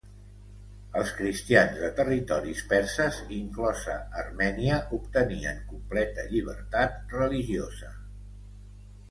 Els cristians de territoris perses, inclosa Armènia, obtenien completa llibertat religiosa.